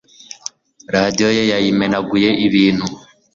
radio ye yayimenaguyeibintu